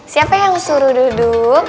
siapa yang suruh duduk